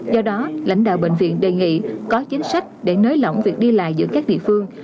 do đó lãnh đạo bệnh viện đề nghị có chính sách để nới lỏng việc đi lại giữa các địa phương